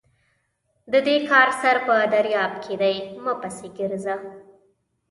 د دې کار سر په درياب کې دی؛ مه پسې ګرځه!